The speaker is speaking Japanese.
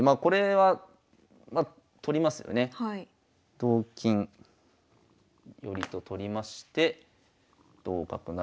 同金寄と取りまして同角成。